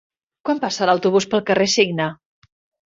Quan passa l'autobús pel carrer Cigne?